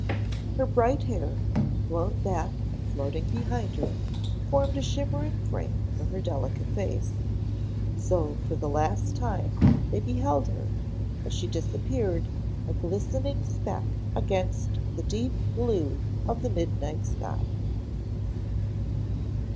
Her bright hair, blown back and floating behind her, formed a shimmering frame for her delicate face. So for the last time they beheld her, as she disappeared, a glistening speck against the deep blue of the midnight sky.